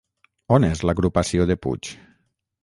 On és l'agrupació de Puig?